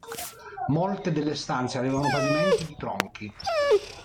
Molte delle stanze avevano pavimenti di tronchi.